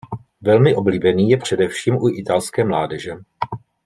Velmi oblíbený je především u italské mládeže.